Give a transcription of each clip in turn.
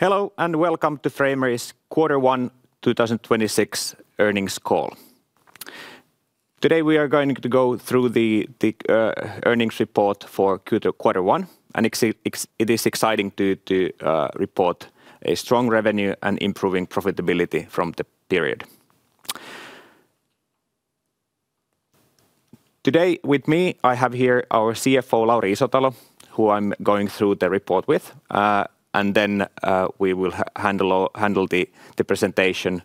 Hello, and welcome to Framery's quarter one 2026 earnings call. Today, we are going to go through the earnings report for quarter one, and it is exciting to report a strong revenue and improving profitability from the period. Today with me, I have here our CFO, Lauri Isotalo, who I'm going through the report with. And then we will handle the presentation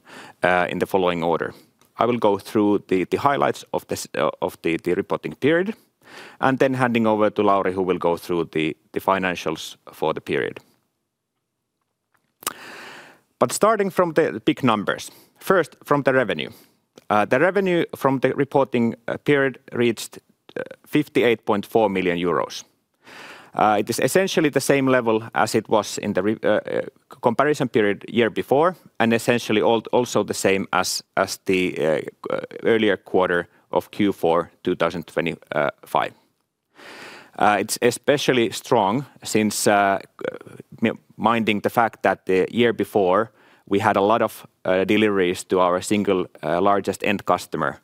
in the following order. I will go through the highlights of the reporting period, and then handing over to Lauri, who will go through the financials for the period. Starting from the big numbers, first from the revenue. The revenue from the reporting period reached 58.4 million euros. It is essentially the same level as it was in the comparison period year before, and essentially also the same as the earlier quarter of Q4 2025. It's especially strong since, minding the fact that the year before we had a lot of deliveries to our single large end customer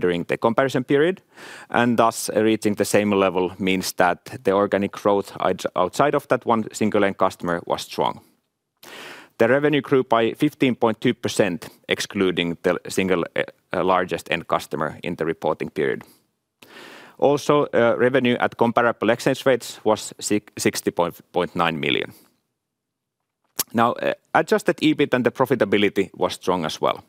during the comparison period, and thus reaching the same level means that the organic growth outside of that one single end customer was strong. The revenue grew by 15.2% excluding the single large end customer in the reporting period. Also, revenue at comparable exchange rates was 60.9 million. Now, adjusted EBIT and the profitability was strong as well.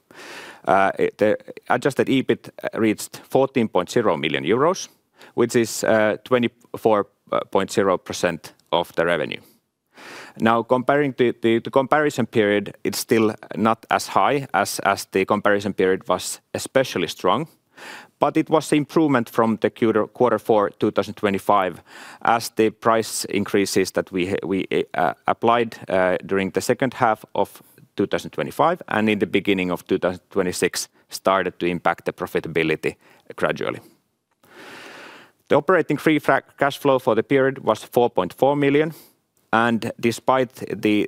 The adjusted EBIT reached 14.0 million euros, which is 24.0% of the revenue. Now, comparing the comparison period, it's still not as high as the comparison period was especially strong, but it was an improvement from quarter four 2025 as the price increases that we applied during the second half of 2025 and in the beginning of 2026 started to impact the profitability gradually. The operating free cash flow for the period was 4.4 million, and despite the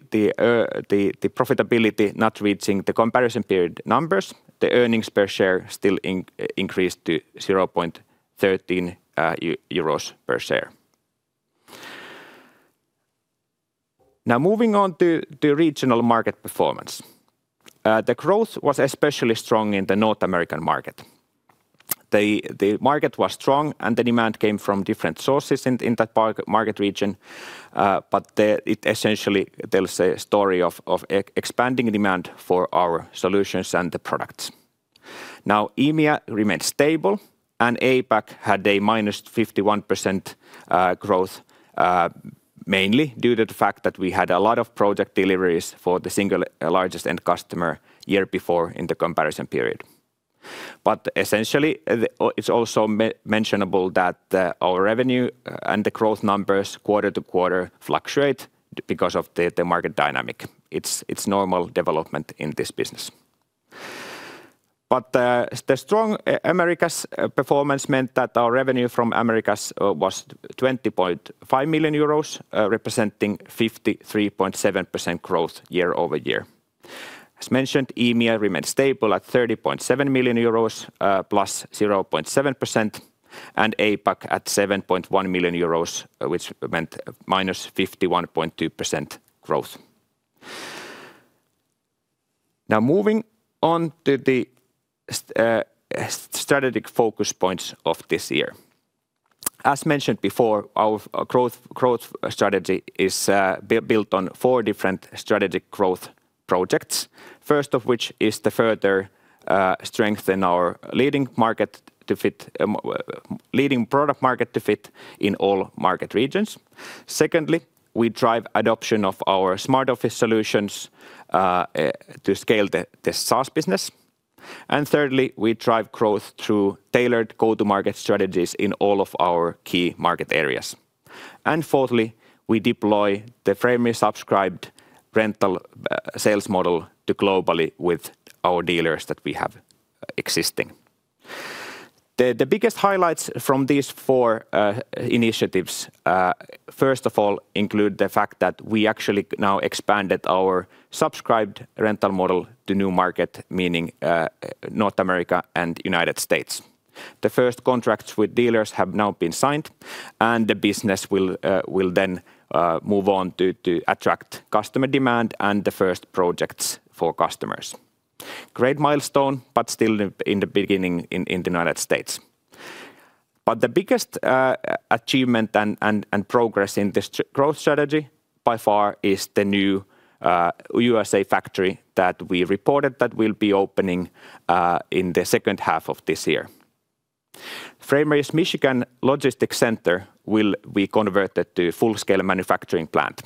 profitability not reaching the comparison period numbers, the earnings per share still increased to 0.13 euros per share. Now, moving on to the regional market performance. The growth was especially strong in the North American market. The market was strong, and the demand came from different sources in that particular market region, but it essentially tells a story of expanding demand for our solutions and the products. Now, EMEA remained stable, and APAC had -51% growth, mainly due to the fact that we had a lot of project deliveries for the single large end customer year before in the comparison period. Essentially, it's also mentionable that our revenue and the growth numbers quarter-to-quarter fluctuate because of the market dynamic. It's normal development in this business. The strong Americas performance meant that our revenue from Americas was 20.5 million euros, representing 53.7% growth year-over-year. As mentioned, EMEA remained stable at 30.7 million euros, +0.7%, and APAC at 7.1 million euros, which meant -51.2% growth. Now, moving on to the strategic focus points of this year. As mentioned before, our growth strategy is built on four different strategic growth projects. First of which is to further strengthen our leading product-market fit in all market regions. Secondly, we drive adoption of our smart office solutions to scale the SaaS business. Thirdly, we drive growth through tailored go-to-market strategies in all of our key market areas. Fourthly, we deploy the Framery Subscribed rental sales model globally with our dealers that we have existing. The biggest highlights from these four initiatives first of all include the fact that we actually now expanded our Subscribed rental model to new market, meaning North America and United States. The first contracts with dealers have now been signed, and the business will then move on to attract customer demand and the first projects for customers. Great milestone, but still in the beginning in the United States. The biggest achievement and progress in this growth strategy by far is the new U.S. factory that we reported that we'll be opening in the second half of this year. Framery's Michigan Logistics Center will be converted to full-scale manufacturing plant.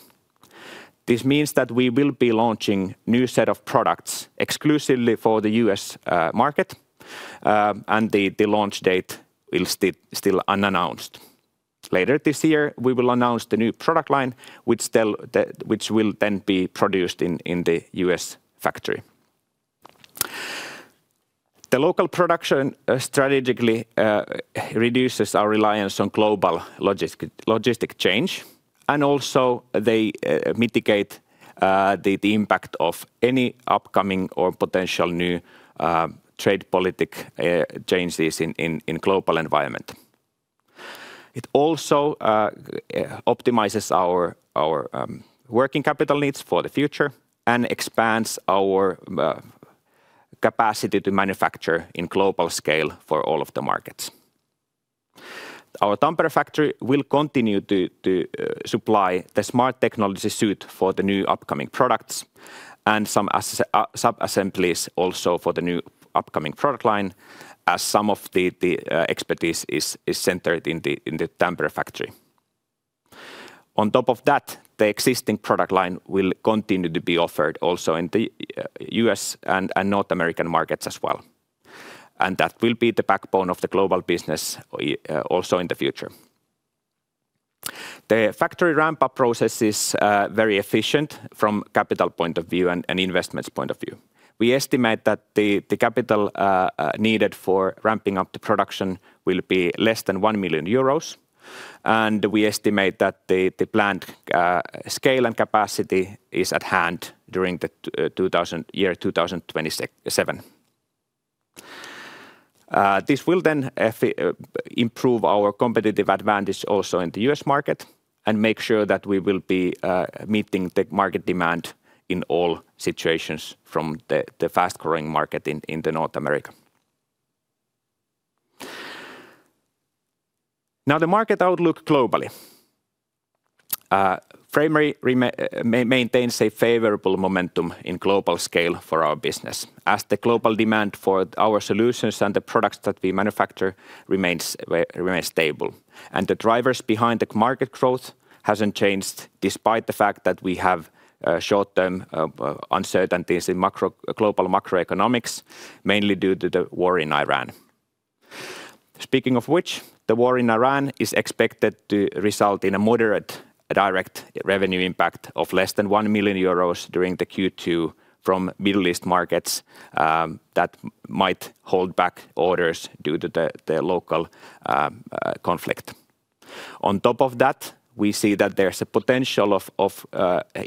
This means that we will be launching new set of products exclusively for the U.S. market, and the launch date is still unannounced. Later this year, we will announce the new product line, which will then be produced in the U.S. factory. Local production strategically reduces our reliance on global logistics chain, and it also mitigates the impact of any upcoming or potential new trade policy changes in the global environment. It also optimizes our working capital needs for the future and expands our capacity to manufacture on a global scale for all of the markets. Our Tampere factory will continue to supply the workplace technologies suite for the new upcoming products and some sub-assemblies also for the new upcoming product line as some of the expertise is centered in the Tampere factory. On top of that, the existing product line will continue to be offered also in the U.S. and North American markets as well. That will be the backbone of the global business also in the future. The factory ramp-up process is very efficient from capital point of view and investments point of view. We estimate that the capital needed for ramping up the production will be less than 1 million euros, and we estimate that the planned scale and capacity is at hand during the 2027. This will then improve our competitive advantage also in the U.S. market and make sure that we will be meeting the market demand in all situations from the fast-growing market in North America. Now, the market outlook globally. Framery maintains a favorable momentum on a global scale for our business, as the global demand for our solutions and the products that we manufacture remains stable. The drivers behind the market growth hasn't changed despite the fact that we have short-term uncertainties in global macroeconomics, mainly due to the war in Iran. Speaking of which, the war in Iran is expected to result in a moderate direct revenue impact of less than 1 million euros during the Q2 from Middle East markets that might hold back orders due to the local conflict. On top of that, we see that there's a potential of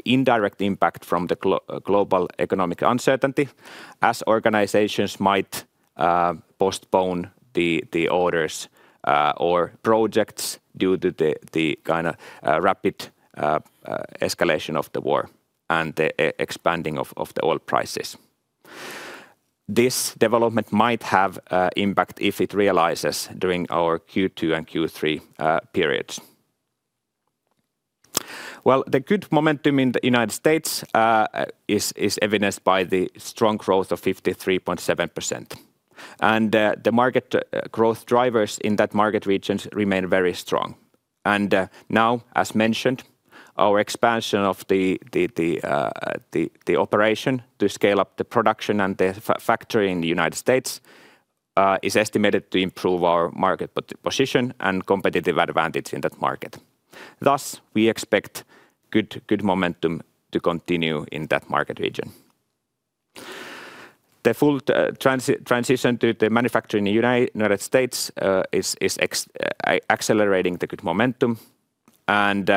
indirect impact from the global economic uncertainty as organizations might postpone the orders or projects due to the kind of rapid escalation of the war and the expanding of the oil prices. This development might have impact if it realizes during our Q2 and Q3 periods. Well, the good momentum in the United States is evidenced by the strong growth of 53.7%. The market growth drivers in that market regions remain very strong. Now, as mentioned, our expansion of the operation to scale up the production and the factory in the United States is estimated to improve our market position and competitive advantage in that market. Thus, we expect good momentum to continue in that market region. The full transition to the manufacturing in United States is accelerating the good momentum and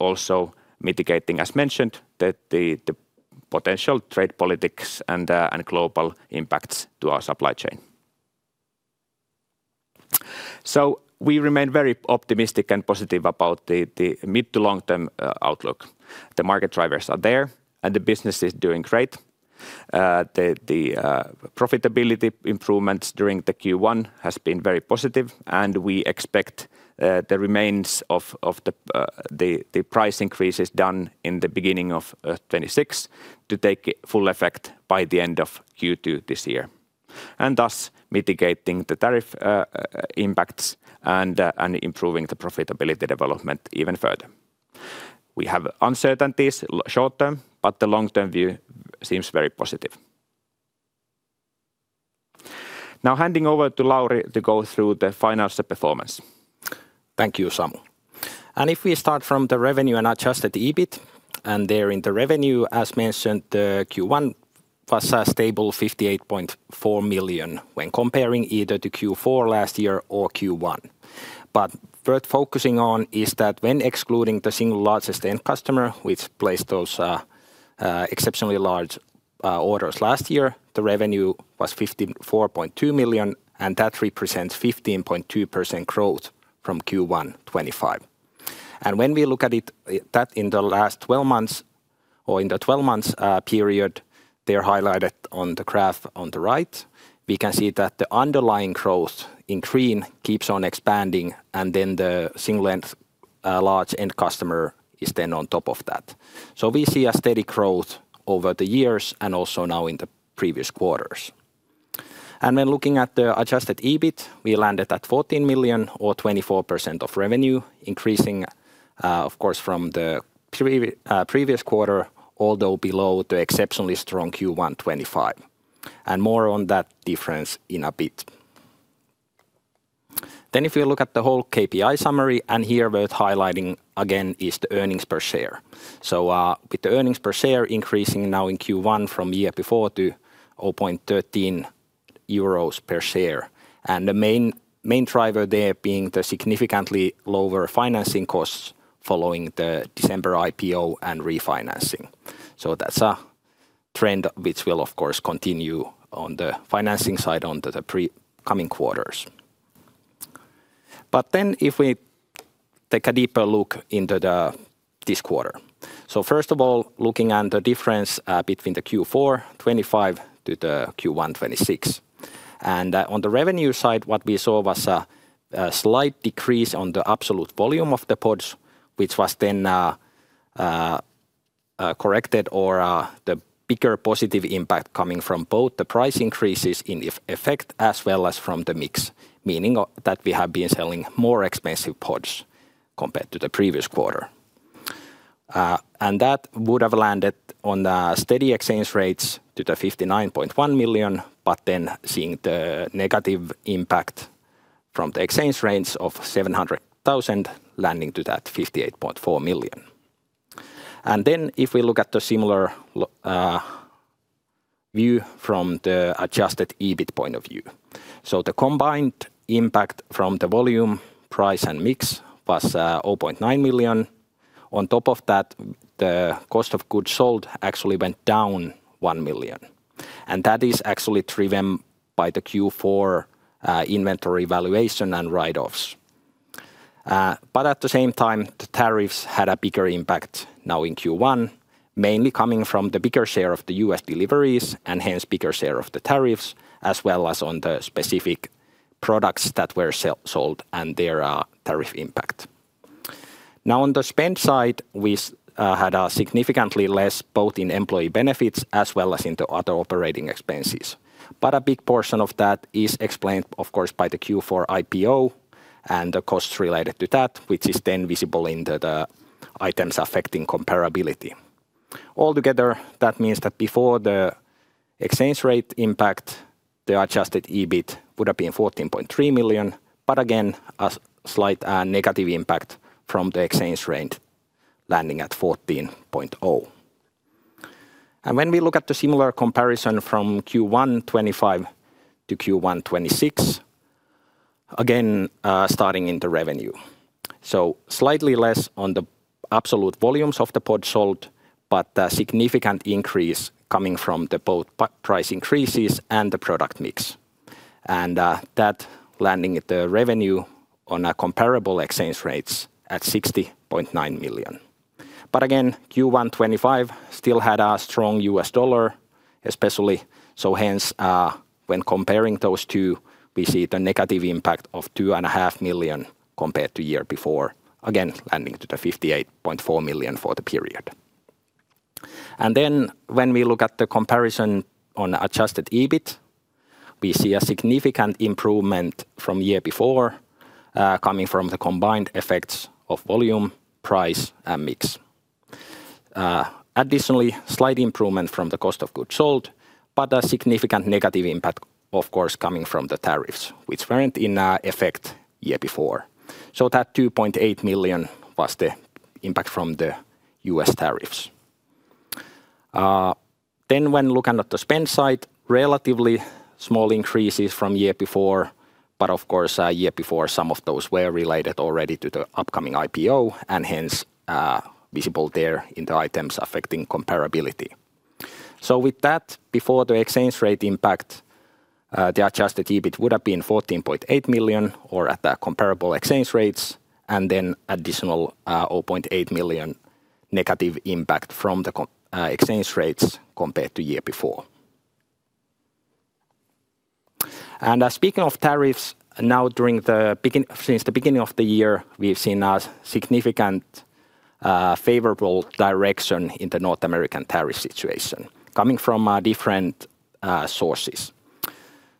also mitigating, as mentioned, the potential trade politics and global impacts to our supply chain. We remain very optimistic and positive about the mid to long-term outlook. The market drivers are there, and the business is doing great. The profitability improvements during the Q1 has been very positive, and we expect the remains of the price increases done in the beginning of 2026 to take full effect by the end of Q2 this year, and thus mitigating the tariff impacts and improving the profitability development even further. We have uncertainties short-term, but the long-term view seems very positive. Now handing over to Lauri to go through the financial performance. Thank you, Samu. If we start from the revenue and adjusted EBIT, and there in the revenue, as mentioned, Q1 was a stable 58.4 million when comparing either to Q4 last year or Q1. Worth focusing on is that when excluding the single largest end customer, which placed those exceptionally large orders last year, the revenue was 54.2 million, and that represents 15.2% growth from Q1 2025. When we look at it, that in the last 12 months or in the 12 months period, they're highlighted on the graph on the right, we can see that the underlying growth in green keeps on expanding, and then the single large end customer is then on top of that. We see a steady growth over the years and also now in the previous quarters. When looking at the adjusted EBIT, we landed at 14 million or 24% of revenue, increasing, of course, from the previous quarter, although below the exceptionally strong Q1 2025. More on that difference in a bit. If you look at the whole KPI summary, and here we're highlighting again is the earnings per share. With the earnings per share increasing now in Q1 from year before to 0.13 euros per share. The main driver there being the significantly lower financing costs following the December IPO and refinancing. That's a trend which will of course continue on the financing side into the forthcoming quarters. If we take a deeper look into this quarter. First of all, looking at the difference between the Q4 2025 to the Q1 2026. On the revenue side, what we saw was a slight decrease on the absolute volume of the pods, which was then corrected or the bigger positive impact coming from both the price increases in effect as well as from the mix. Meaning that we have been selling more expensive pods compared to the previous quarter. That would have landed on the steady exchange rates to 59.1 million, but then seeing the negative impact from the exchange rates of 700,000 landing to that 58.4 million. If we look at the similar view from the adjusted EBIT point of view. The combined impact from the volume, price, and mix was 0.9 million. On top of that, the cost of goods sold actually went down 1 million. That is actually driven by the Q4 inventory valuation and write-offs. At the same time, the tariffs had a bigger impact now in Q1, mainly coming from the bigger share of the U.S. deliveries and hence bigger share of the tariffs, as well as on the specific products that were sold and their tariff impact. Now, on the spend side, we had significantly less both in employee benefits as well as into other operating expenses. A big portion of that is explained, of course, by the Q4 IPO and the costs related to that, which is then visible in the items affecting comparability. All together, that means that before the exchange rate impact, the adjusted EBIT would have been 14.3 million. A slight negative impact from the exchange rate landing at 14.0 million. When we look at the similar comparison from Q1 2025 to Q1 2026, again starting in the revenue. Slightly less on the absolute volumes of the pods sold, but a significant increase coming from both price increases and the product mix. That landing the revenue on comparable exchange rates at 60.9 million. Q1 2025 still had a strong U.S. dollar, especially. Hence, when comparing those two, we see the negative impact of 2.5 million compared to year before, again landing to the 58.4 million for the period. When we look at the comparison on adjusted EBIT, we see a significant improvement from year before, coming from the combined effects of volume, price, and mix. Additionally, slight improvement from the cost of goods sold, but a significant negative impact, of course, coming from the tariffs, which weren't in effect year before. That 2.8 million was the impact from the U.S. tariffs. When looking at the spend side, relatively small increases from year before, but of course, year before, some of those were related already to the upcoming IPO and hence, visible there in the items affecting comparability. With that, before the exchange rate impact, the adjusted EBIT would have been 14.8 million at the comparable exchange rates, and then additional, 0.8 million negative impact from the exchange rates compared to year before. Speaking of tariffs, now since the beginning of the year, we've seen a significant, favorable direction in the North American tariff situation coming from, different, sources.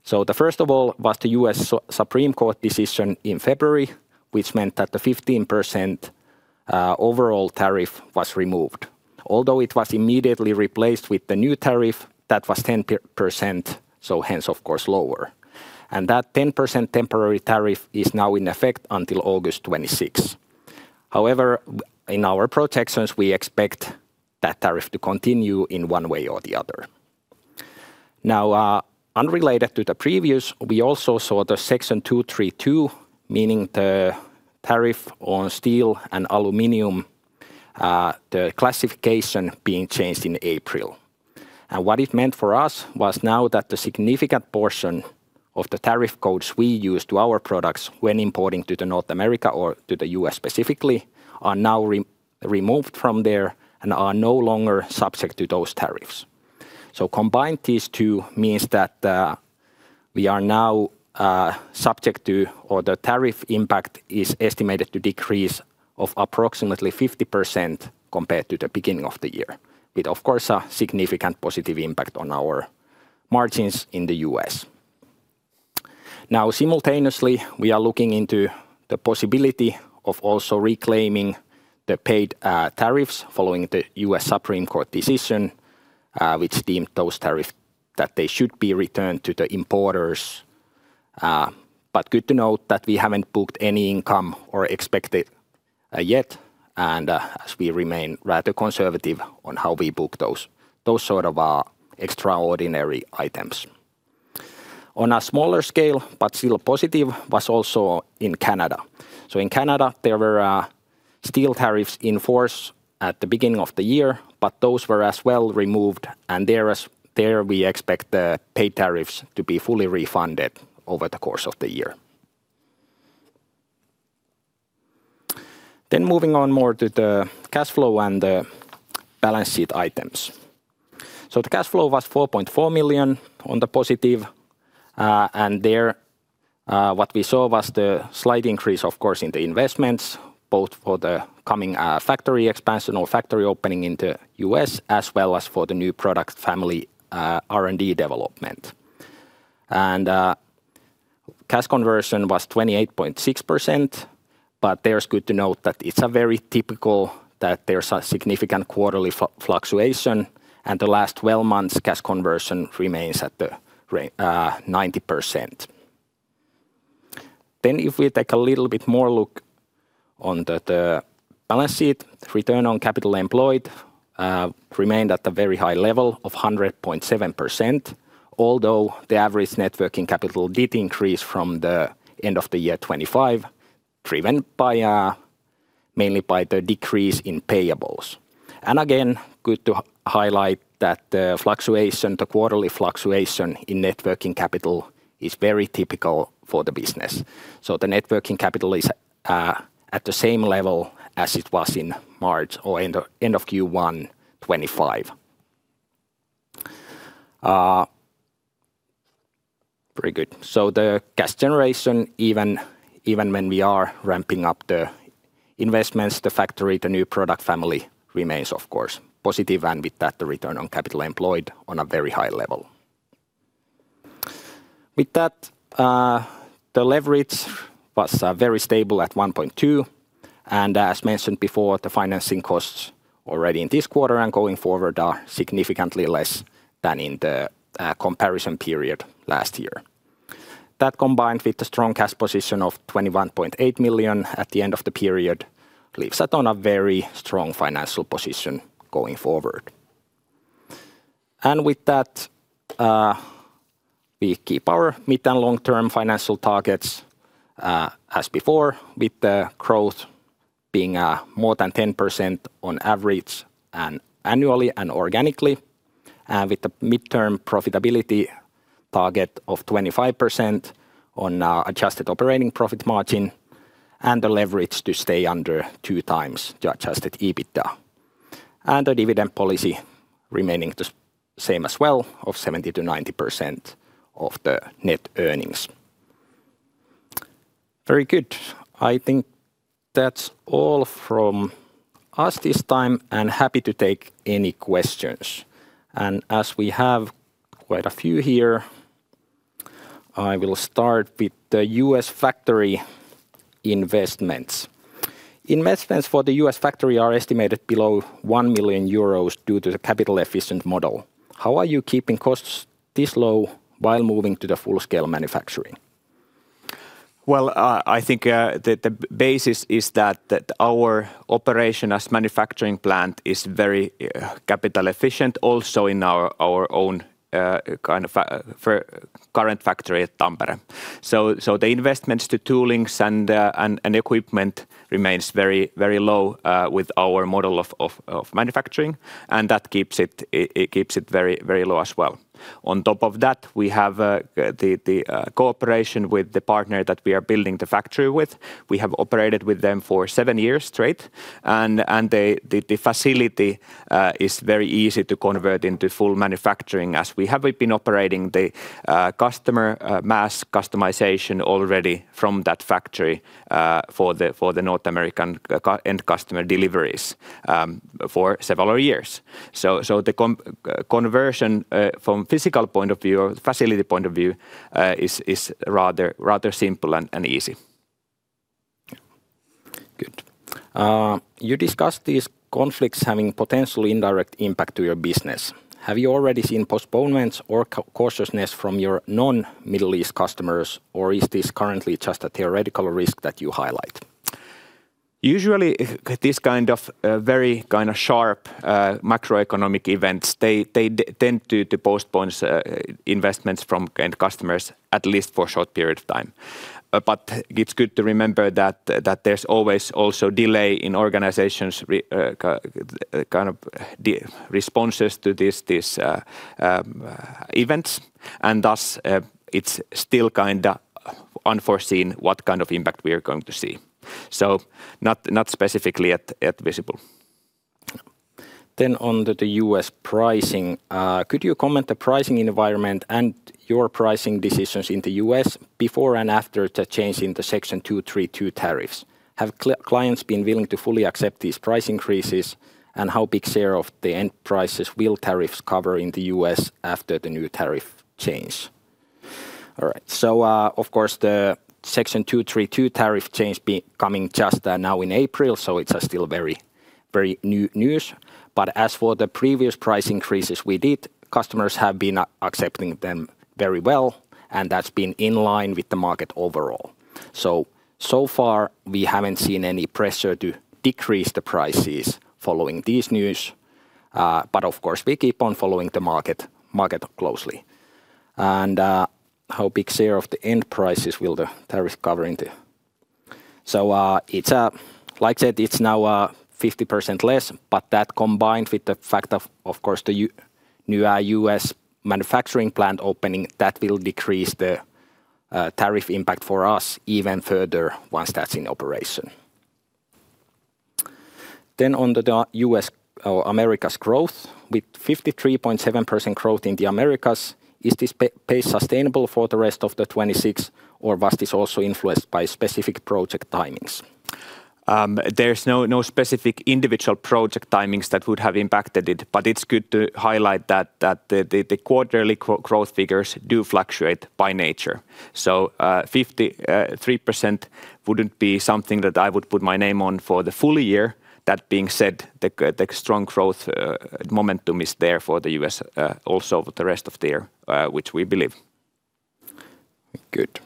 The first of all was the U.S. Supreme Court decision in February, which meant that the 15% overall tariff was removed. Although it was immediately replaced with the new tariff, that was 10%, so hence, of course, lower. That 10% temporary tariff is now in effect until August 2026. However, in our projections, we expect that tariff to continue in one way or the other. Now, unrelated to the previous, we also saw the Section 232, meaning the tariff on steel and aluminum, the classification being changed in April. What it meant for us was now that the significant portion of the tariff codes we use to our products when importing to North America or to the U.S. specifically are now re-removed from there and are no longer subject to those tariffs. Combine these two means that, we are now, subject to or the tariff impact is estimated to decrease of approximately 50% compared to the beginning of the year. With, of course, a significant positive impact on our margins in the U.S. Now, simultaneously, we are looking into the possibility of also reclaiming the paid tariffs following the U.S. Supreme Court decision, which deemed those tariffs that they should be returned to the importers. But good to note that we haven't booked any income or expect yet and, as we remain rather conservative on how we book those sort of extraordinary items. On a smaller scale but still positive was also in Canada. In Canada, there were steel tariffs in force at the beginning of the year, but those were as well removed and there we expect the paid tariffs to be fully refunded over the course of the year. Moving on more to the cash flow and the balance sheet items. The cash flow was 4.4 million on the positive. There, what we saw was the slight increase of course in the investments both for the coming factory expansion or factory opening in the U.S. as well as for the new product family, R&D development. Cash conversion was 28.6%, but there it's good to note that it's very typical that there's a significant quarterly fluctuation, and the last 12 months cash conversion remains at the 90%. If we take a little bit more look on the balance sheet, return on capital employed remained at the very high level of 100.7% although the average net working capital did increase from the end of the year 2025 driven by mainly by the decrease in payables. Again, good to highlight that fluctuation, the quarterly fluctuation in net working capital is very typical for the business. The net working capital is at the same level as it was in March or end of Q1 2025. The cash generation even when we are ramping up the investments, the factory, the new product family remains of course positive, and with that the return on capital employed on a very high level. With that, the leverage was very stable at 1.2, and as mentioned before, the financing costs already in this quarter and going forward are significantly less than in the comparison period last year. That combined with the strong cash position of 21.8 million at the end of the period leaves us in a very strong financial position going forward. With that, we keep our mid- and long-term financial targets as before with the growth being more than 10% on average and annually and organically, and with the mid-term profitability target of 25% on our adjusted operating profit margin and the leverage to stay under two times adjusted EBITDA, and the dividend policy remaining the same as well of 70%-90% of the net earnings. Very good. I think that's all from us this time, and happy to take any questions. As we have quite a few here, I will start with the U.S. factory investments. Investments for the U.S. factory are estimated below 1 million euros due to the capital efficient model. How are you keeping costs this low while moving to the full-scale manufacturing? Well, I think the basis is that our operation as manufacturing plant is very capital efficient also in our own current factory at Tampere. The investments to toolings and equipment remains very low with our model of manufacturing, and that keeps it very low as well. On top of that, we have the cooperation with the partner that we are building the factory with. We have operated with them for seven years straight, and the facility is very easy to convert into full manufacturing as we have been operating the customer mass customization already from that factory for the North American end customer deliveries for several years. Conversion from physical point of view or facility point of view is rather simple and easy. Good. You discussed these conflicts having potential indirect impact to your business. Have you already seen postponements or cautiousness from your non-Middle East customers, or is this currently just a theoretical risk that you highlight? Usually this kind of very kind of sharp macroeconomic events, they tend to postpone investments from end customers at least for short period of time. But it's good to remember that there's always also delay in organizations responses to these events and thus, it's still kinda unforeseen what kind of impact we are going to see. Not specifically yet visible. On the U.S. pricing, could you comment on the pricing environment and your pricing decisions in the U.S. before and after the change in the Section 232 tariffs? Have clients been willing to fully accept these price increases, and how big a share of the end prices will tariffs cover in the U.S. after the new tariff change? All right. Of course the Section 232 tariff change coming just now in April, so it's still very new news. But as for the previous price increases we did, customers have been accepting them very well, and that's been in line with the market overall. Far we haven't seen any pressure to decrease the prices following this news. But of course we keep on following the market closely. How big share of the end prices will the tariff cover into? It's like I said, it's now 50% less, but that combined with the fact of course the new U.S. manufacturing plant opening, that will decrease the tariff impact for us even further once that's in operation. On the U.S. or Americas growth, with 53.7% growth in the Americas, is this pace sustainable for the rest of the 2026 or was this also influenced by specific project timings? There's no specific individual project timings that would have impacted it. It's good to highlight that the quarterly growth figures do fluctuate by nature. 53% wouldn't be something that I would put my name on for the full year. That being said, the strong growth momentum is there for the U.S., also for the rest of the year, which we believe. Good.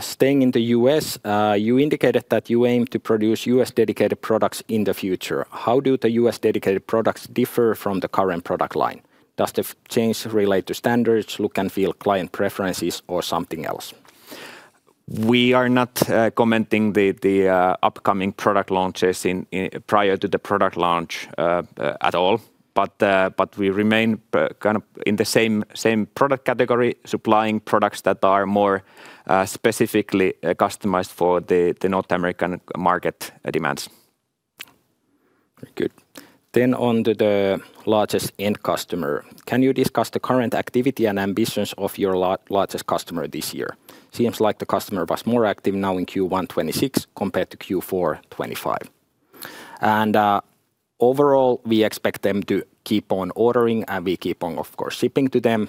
Staying in the U.S., you indicated that you aim to produce U.S.-dedicated products in the future. How do the U.S.-dedicated products differ from the current product line? Does the change relate to standards, look and feel, client preferences, or something else? We are not commenting on the upcoming product launches prior to the product launch at all. We remain kind of in the same product category, supplying products that are more specifically customized for the North American market demands. Good. On to the largest end customer. Can you discuss the current activity and ambitions of your largest customer this year? Seems like the customer was more active now in Q1 2026 compared to Q4 2025. Overall, we expect them to keep on ordering, and we keep on, of course, shipping to them.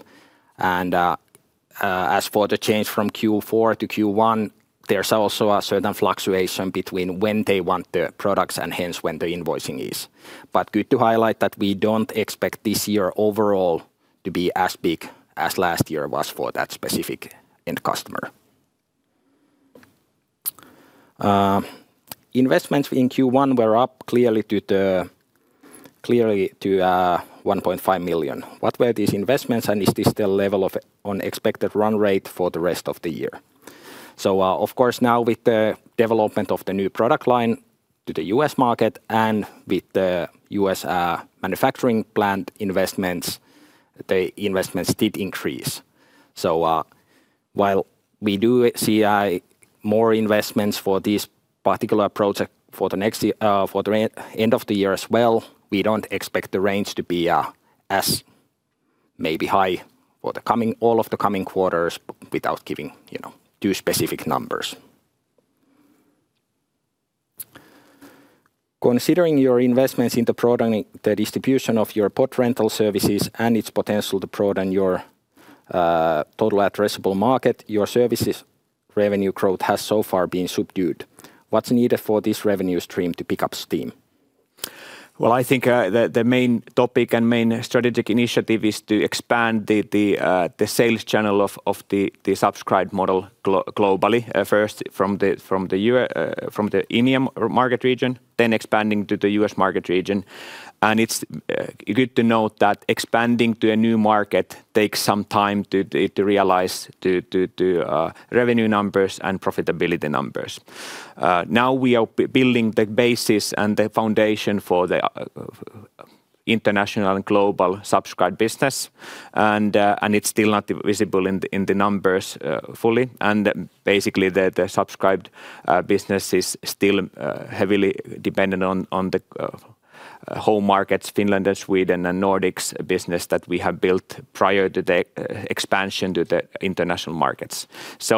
As for the change from Q4 to Q1, there's also a certain fluctuation between when they want the products and hence when the invoicing is. Good to highlight that we don't expect this year overall to be as big as last year was for that specific end customer. Investments in Q1 were up clearly to 1.5 million. What were these investments, and is this the level of expected run rate for the rest of the year? Of course now with the development of the new product line to the U.S. market and with the U.S. manufacturing plant investments, the investments did increase. While we do see more investments for this particular project for the end of the year as well, we don't expect the range to be as maybe high for all of the coming quarters without giving, you know, too specific numbers. Considering your investments in the distribution of your pod rental services and its potential to broaden your total addressable market, your services revenue growth has so far been subdued. What's needed for this revenue stream to pick up steam? I think the main topic and main strategic initiative is to expand the sales channel of the subscribed model globally, first from the EMEA market region, then expanding to the U.S. market region. It's good to note that expanding to a new market takes some time to realize revenue numbers and profitability numbers. Now we are building the basis and the foundation for the international and global subscribed business. It's still not visible in the numbers fully. Basically, the subscribed business is still heavily dependent on the home markets, Finland and Sweden and Nordics business that we have built prior to the expansion to the international markets.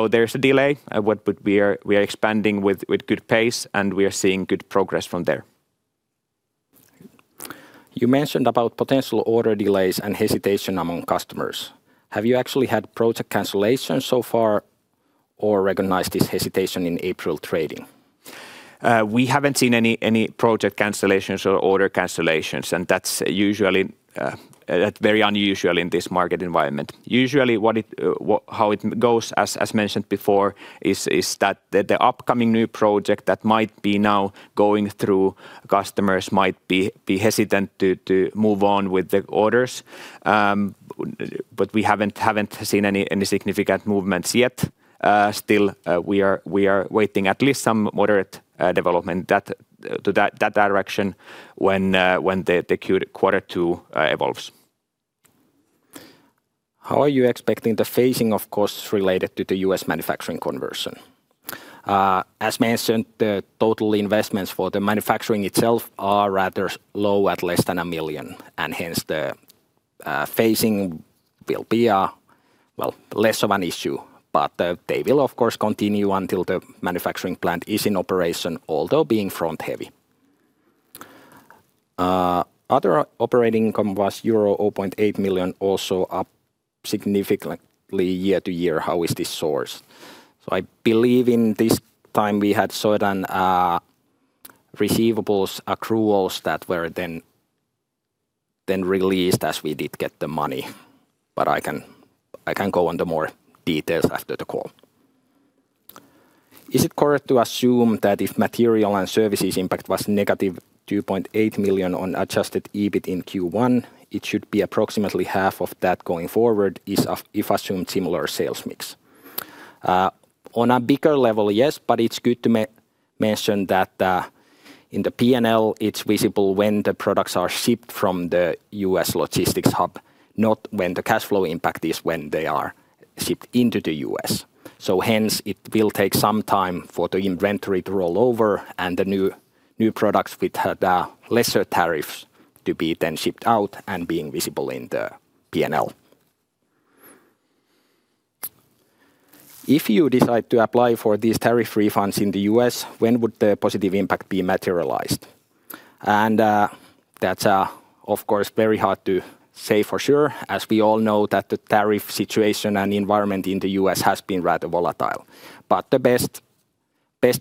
There's a delay what we are expanding with good pace, and we are seeing good progress from there. You mentioned about potential order delays and hesitation among customers. Have you actually had project cancellations so far or recognized this hesitation in April trading? We haven't seen any project cancellations or order cancellations, and that's usually very unusual in this market environment. Usually how it goes, as mentioned before, is that the upcoming new project that might now be going through customers might be hesitant to move on with the orders. We haven't seen any significant movements yet. Still, we are waiting at least some moderate development to that direction when the quarter two evolves. How are you expecting the phasing of costs related to the U.S. manufacturing conversion? As mentioned, the total investments for the manufacturing itself are rather low at less than 1 million, and hence the phasing will be less of an issue. They will of course continue until the manufacturing plant is in operation, although being front-heavy. Other operating income was euro 0.8 million, also up significantly year-over-year. How is this sourced? I believe at this time we had certain receivables, accruals that were then released as we did get the money, but I can go into more details after the call. Is it correct to assume that if material and services impact was negative 2.8 million on adjusted EBIT in Q1, it should be approximately half of that going forward if assumed similar sales mix? On a bigger level, yes, but it's good to mention that in the P&L, it's visible when the products are shipped from the U.S. logistics hub, not when the cash flow impact is, when they are shipped into the U.S. Hence, it will take some time for the inventory to roll over and the new products with the lesser tariffs to be then shipped out and being visible in the P&L. If you decide to apply for these tariff refunds in the U.S., when would the positive impact be materialized? That's of course very hard to say for sure, as we all know that the tariff situation and environment in the U.S. has been rather volatile. The best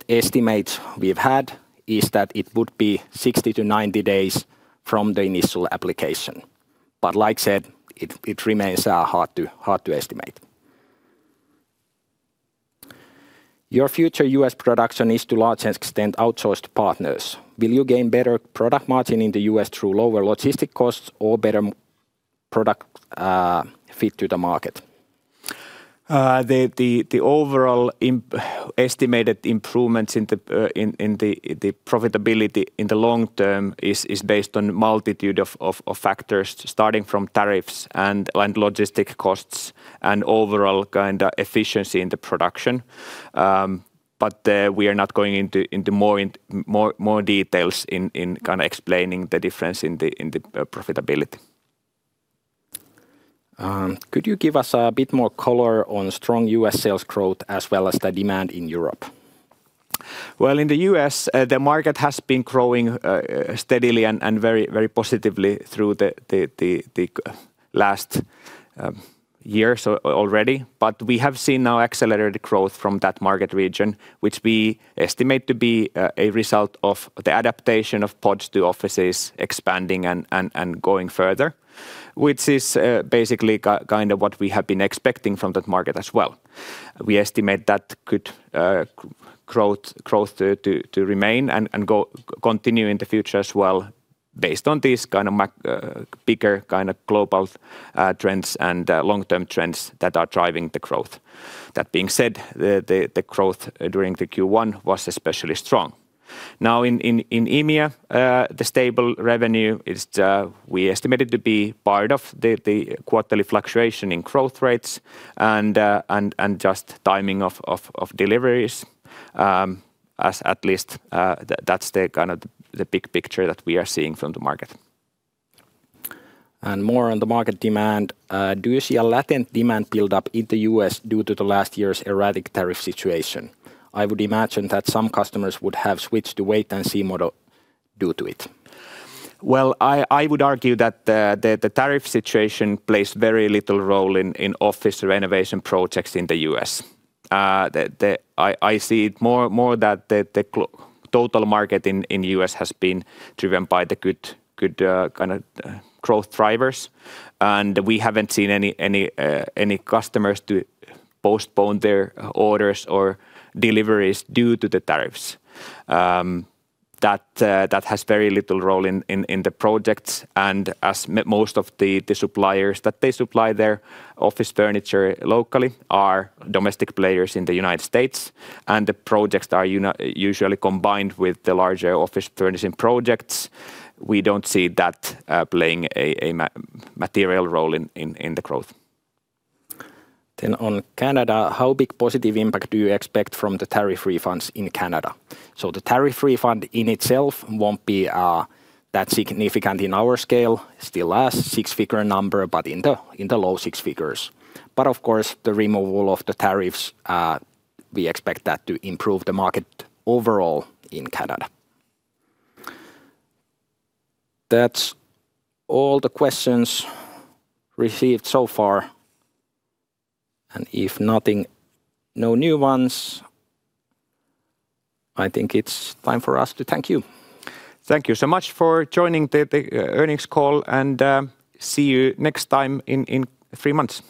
estimate we've had is that it would be 60-90 days from the initial application. Like I said, it remains hard to estimate. Your future U.S. production is to a large extent outsourced to partners. Will you gain better product margin in the U.S. through lower logistic costs or better product fit to the market? The overall estimated improvements in the profitability in the long term is based on multitude of factors starting from tariffs and inland logistics costs and overall kinda efficiency in the production. We are not going into more details in kinda explaining the difference in the profitability. Could you give us a bit more color on strong U.S. sales growth as well as the demand in Europe? Well, in the U.S., the market has been growing steadily and very positively through the last year already. We have seen now accelerated growth from that market region, which we estimate to be a result of the adaptation of pods to offices expanding and going further, which is basically kind of what we have been expecting from that market as well. We estimate that good growth to remain and continue in the future as well based on this kind of bigger kind of global trends and long-term trends that are driving the growth. That being said, the growth during the Q1 was especially strong. Now, in EMEA, the stable revenue is, we estimate it to be part of the quarterly fluctuation in growth rates and just timing of deliveries, as at least, that's the kind of the big picture that we are seeing from the market. More on the market demand. Do you see a latent demand build-up in the U.S. due to the last year's erratic tariff situation? I would imagine that some customers would have switched to wait and see model due to it. Well, I would argue that the tariff situation plays very little role in office renovation projects in the U.S. I see it more that the total market in U.S. has been driven by the good kind of growth drivers. We haven't seen any customers to postpone their orders or deliveries due to the tariffs. That has very little role in the projects. As most of the suppliers that supply their office furniture locally are domestic players in the United States, and the projects are usually combined with the larger office furnishing projects, we don't see that playing a material role in the growth. On Canada: How big positive impact do you expect from the tariff refunds in Canada? The tariff refund in itself won't be that significant in our scale. Still a six-figure number, but in the low six figures. Of course, the removal of the tariffs, we expect that to improve the market overall in Canada. That's all the questions received so far. If nothing, no new ones, I think it's time for us to thank you. Thank you so much for joining the earnings call, and see you next time in three months.